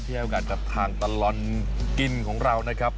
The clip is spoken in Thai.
ให้โอกาสกับทางตลอดกินของเรานะครับ